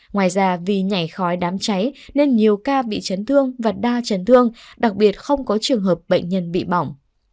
ngoài ra vì nhảy khói đám cháy nên nhiều ca bị chấn thương và đa chấn thương đặc biệt không có trường hợp bệnh nhân bị bỏng